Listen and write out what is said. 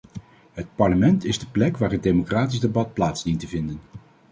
Het parlement is de plek waar het democratisch debat plaats dient te vinden.